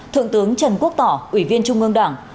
thượng tướng trần quốc tỏ ủy viên trung ương đảng